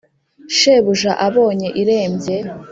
shebuja abonye irembye,